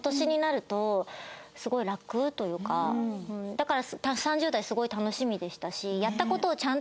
だから。